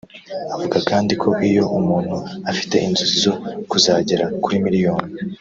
Avuga kandi ko iyo umuntu afite inzozi zo kuzagera kuri miliyoni